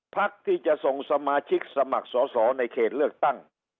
พักที่จะส่งสมาชิกสมัครสอสอในเขตเลือกตั้ง